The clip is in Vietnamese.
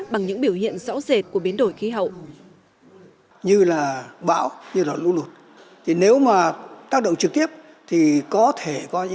bằng những biểu hiện rõ rệt của biến đổi khí hậu